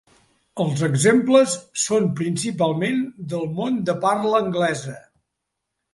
Els exemples són principalment del món de parla anglesa.